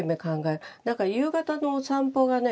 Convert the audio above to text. なんか夕方のお散歩がね